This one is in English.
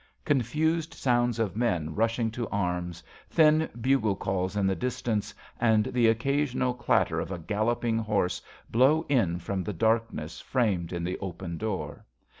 Confused sounds of men rushing to arms, thin bugle calls in the distance, and the occasional clatter of a galloping horse bloiv in fi'om the blackness framed in the open door.